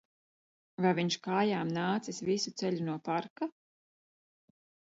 Vai viņš kājām nācis visu ceļu no parka?